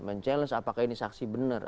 mencabar apakah ini saksi benar